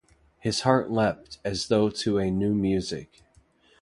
His heart leaped as though to a new music.